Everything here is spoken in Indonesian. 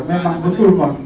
memang betul mon